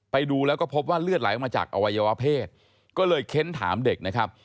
ไปดูแล้วก็พบว่าเลือดไหลออกมาจากอวัยวะเพศก็เลยเค้นถามเด็กนะครับ